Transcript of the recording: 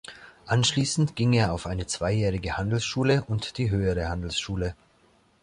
Anschließend ging er auf eine zweijährige Handelsschule und die Höhere Handelsschule.